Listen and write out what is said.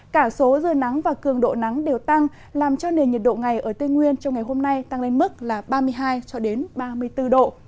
cả số giờ nắng và cường độ nắng đều tăng làm cho nền nhiệt độ ngày ở tây nguyên trong ngày hôm nay tăng lên mức là ba mươi hai ba mươi bốn độ